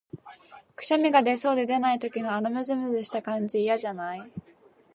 くしゃみが出そうで出ない時の、あのむずむずした感じ、嫌じゃない？